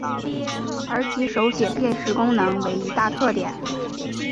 而其手写辨识功能为一大特点。